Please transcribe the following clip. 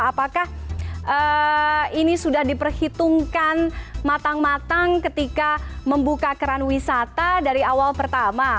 apakah ini sudah diperhitungkan matang matang ketika membuka keran wisata dari awal pertama